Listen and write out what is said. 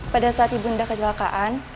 pada saat ibu indah kecelakaan